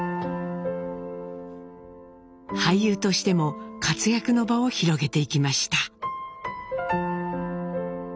俳優としても活躍の場を広げていきました。